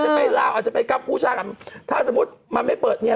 แกเนี่ยปั๊ะไม่รู้จะไปหาที่ไหนอะ